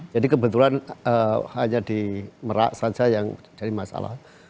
jadi kebetulan hanya di merak saja yang jadi masalah